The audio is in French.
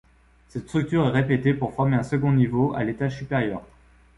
Cette structure est répétée pour former un second niveau à l'étage supérieur.